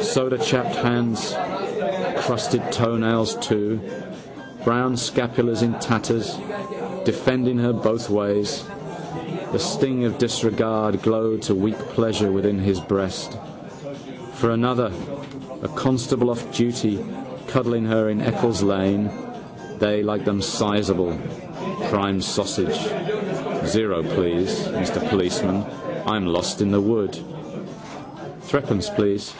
Sodachapped hands. Crusted toenails too. Brown scapulars in tatters, defending her both ways. The sting of disregard glowed to weak pleasure within his breast. For another: a constable off duty cuddling her in Eccles' Lane. They like them sizeable. Prime sausage. O please, Mr Policeman, I'm lost in the wood. —Threepence, please.